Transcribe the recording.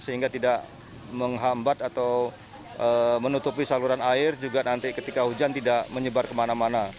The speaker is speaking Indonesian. sehingga tidak menghambat atau menutupi saluran air juga nanti ketika hujan tidak menyebar kemana mana